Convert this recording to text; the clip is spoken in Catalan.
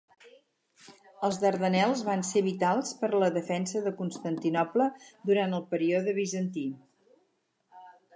Els Dardanels van ser vitals per a la defensa de Constantinoble durant el període bizantí.